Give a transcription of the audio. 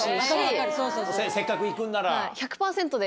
せっかく行くんなら。